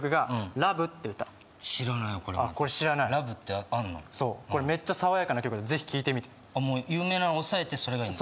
ＬＯＶＥってあんのそうこれめっちゃ爽やかな曲でぜひ聴いてみてもう有名なの抑えてそれがいいんだ？